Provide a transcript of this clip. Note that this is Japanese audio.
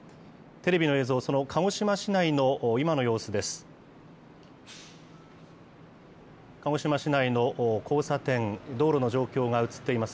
テレビの映像、その鹿児島市内の今の様子です。